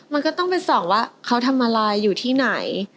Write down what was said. มันก็ต้องไปส่องว่าเขาทำอะไรอยู่ที่ไหน